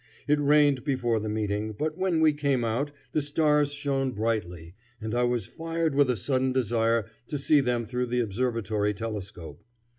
It rained before the meeting, but when we came out, the stars shone brightly, and I was fired with a sudden desire to see them through the observatory telescope.